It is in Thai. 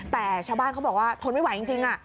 แต่ชาวบ้านเขาบอกว่าทนไม่ไหวจริง